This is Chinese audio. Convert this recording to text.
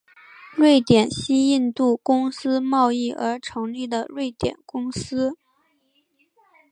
瑞典西印度公司贸易而成立的瑞典公司。